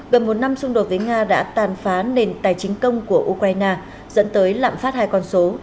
gần một năm xung đột với nga đã tàn phá nền tài chính công của ukraine dẫn tới lạm phát hai con số